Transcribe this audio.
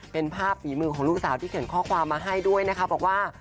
เป็นภาพฝีมือของลูกสาวที่เขียนข้อความมาให้ด้วยนะคะบอกว่า